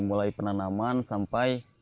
mulai penanaman sampai